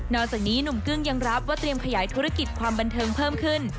อกจากนี้หนุ่มกึ้งยังรับว่าเตรียมขยายธุรกิจความบันเทิงเพิ่มขึ้น